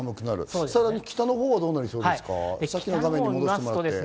北のほうはどうなりそうですか？